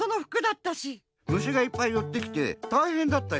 むしがいっぱいよってきてたいへんだったよ。